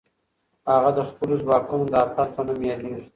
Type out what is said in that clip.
هغه د خپلو ځواکونو د اتل په نوم یادېږي.